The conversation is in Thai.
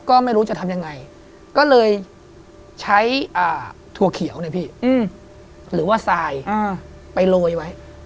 ก็ไม่รู้จะทำยังไงก็เลยใช้ถั่วเขียวเนี่ยพี่หรือว่าทรายไปโรยไว้